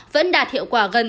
vẫn đạt hiệu quả gần chín mươi